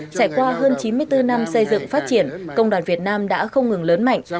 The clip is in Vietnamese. trải qua hơn chín mươi bốn năm xây dựng phát triển công đoàn việt nam đã không ngừng lớn mạnh